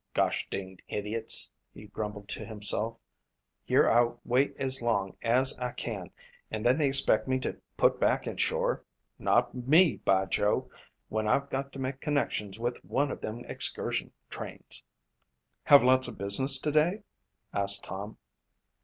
"Gosh dinged idiots," he grumbled to himself. "Here I wait as long as I can and then they expect me to put back in shore. Not me, by Joe, when I've got to make connections with one of them excursion trains." "Have lots of business today?" asked Tom.